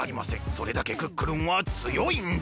それだけクックルンはつよいんです！